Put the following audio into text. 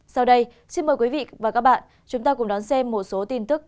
sau đây xin mời quý vị và các bạn chúng ta cùng đón xem một số tin tức